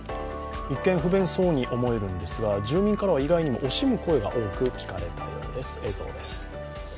一見、不便そうに思えるんですが住民からは意外にも惜しむ声が多く聞かれたようです。